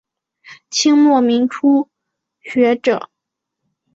清末民初学者。